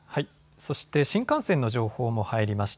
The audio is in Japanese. そして新幹線の情報も入りました。